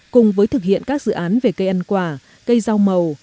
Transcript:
cùng với thực hiện các dự án về cây ăn quả cây rau màu